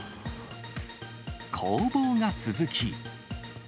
攻防が続き。